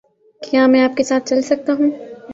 کیا میں آپ کے ساتھ چل سکتا ہوں؟